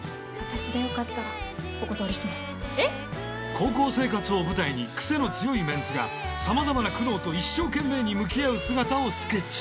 高校生活を舞台に癖の強いメンツがさまざまな苦悩と一生懸命に向き合う姿をスケッチ！